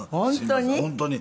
本当に？